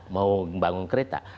mau membangun kereta